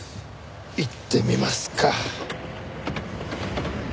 行ってみますか。